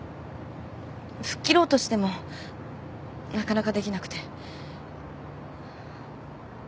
吹っ切ろうとしてもなかなかできなくて。